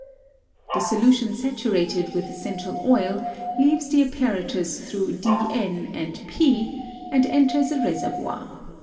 The solution saturated with essential oil leaves the apparatus through _d_^n and p and enters a reservoir.